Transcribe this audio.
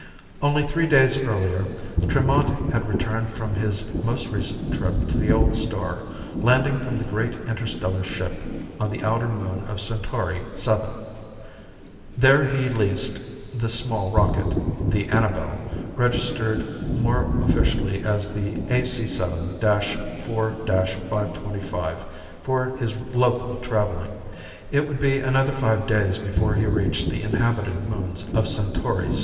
Only three days earlier, Tremont had returned from his most recent trip to the old star, landing from the great interstellar ship on the outer moon of Centauri VII. There he leased this small rocket the Annabel, registered more officially as the AC7 4 525 for his local traveling. It would be another five days before he reached the inhabited moons of Centauri VI.